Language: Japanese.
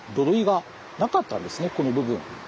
この部分。